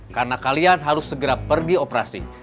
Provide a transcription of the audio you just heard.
karena kalian harus segera pergi operasi